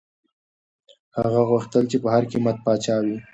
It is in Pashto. هغه غوښتل چي په هر قیمت پاچا وي.